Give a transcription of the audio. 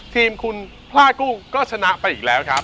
ทีมคุณพลาดกุ้งก็ชนะไปอีกแล้วครับ